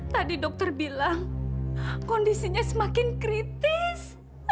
tadi dokter bilang kondisinya semakin kritis